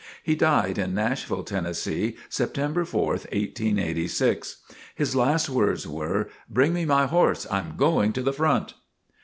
He died in Nashville, Tennessee, September 4th. 1886. His last words were: "Bring me my horse! I am going to the front!"